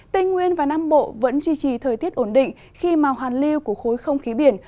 tây nguyên và nam bộ vẫn duy trì thời tiết ổn định khi mà hoàn lưu của khối không khí biển